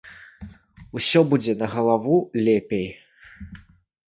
Усё будзе на галаву лепей.